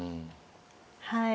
はい。